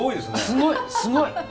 すごいすごい。